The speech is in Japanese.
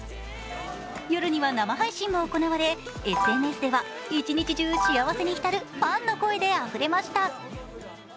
夜には生配信も行われ、ＳＮＳでは一日中、幸せに浸るファンの声であふれました。